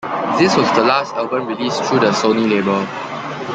This was the last album released through the Sony label.